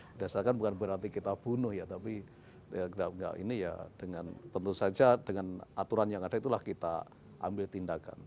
berdasarkan bukan berarti kita bunuh ya tapi nggak ini ya dengan tentu saja dengan aturan yang ada itulah kita ambil tindakan